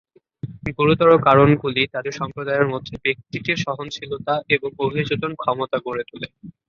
গুরুতর কারণগুলি তাদের সম্প্রদায়ের মধ্যে ব্যক্তিদের সহনশীলতা এবং অভিযোজন ক্ষমতা গড়ে তোলে।